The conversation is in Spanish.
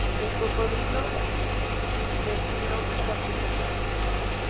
El cocodrilo de Nilo está presente.